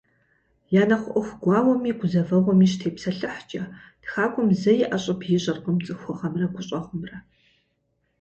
Я нэхъ ӏуэху гуауэми гузэвэгъуэми щытепсэлъыхькӏэ, тхакӏуэм зэи ӏэщӏыб ищӏыркъым цӏыхугъэмрэ гущӏэгъумрэ.